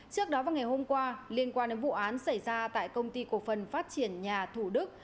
trước đó vào ngày hôm qua liên quan đến vụ án xảy ra tại công ty cổ phần phát triển nhà thủ đức